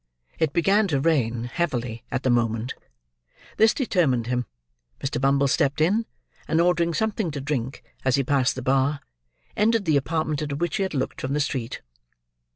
It began to rain, heavily, at the moment. This determined him. Mr. Bumble stepped in; and ordering something to drink, as he passed the bar, entered the apartment into which he had looked from the street.